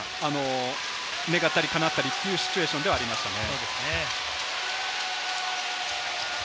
願ったりかなったりというシチュエーションではありますね。